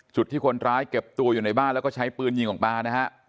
จุดที่คนร้ายเก็บตัวอยู่ในบ้านแล้วก็ใช้ปืนยิงออกมานะฮะ